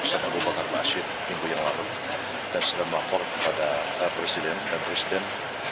ustadz abu bakar ba'asyir minggu yang lalu dan sedang mengakor kepada presiden dan presiden